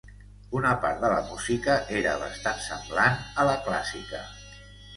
Una part de la música era bastant semblant a la clàssica.